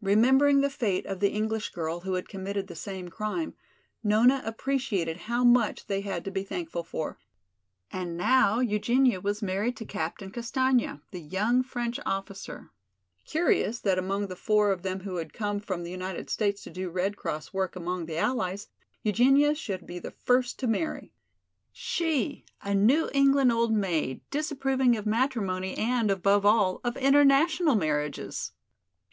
Remembering the fate of the English girl who had committed the same crime, Nona appreciated how much they had to be thankful for. And now Eugenia was married to Captain Castaigne, the young French officer. Curious that among the four of them who had come from the United States to do Red Cross work among the Allies, Eugenia should be the first to marry! She, a New England old maid, disapproving of matrimony and, above all, of international marriages!